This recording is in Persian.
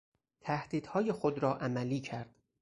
تهدیدهای خود را عملی کرد.